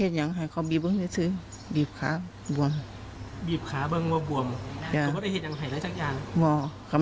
อืม